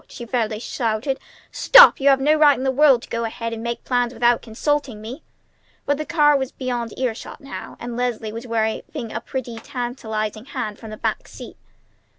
she fairly shouted. "Stop! You had no right in the world to go ahead and make plans without consulting me!" But the car was beyond ear shot now, and Leslie was waving a pretty, tantalizing hand from the back seat.